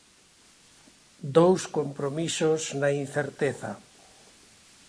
Dous compromisos na incerteza.